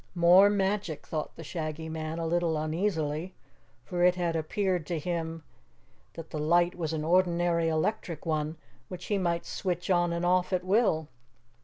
More magic, thought the Shaggy Man a bit uneasily, for it had appeared to him that the light was an ordinary electric one which he might switch on and off at will.